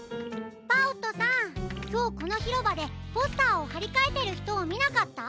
パオットさんきょうこのひろばでポスターをはりかえてるひとをみなかった？